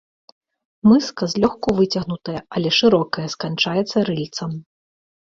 Мыска злёгку выцягнутая, але шырокая, сканчаецца рыльцам.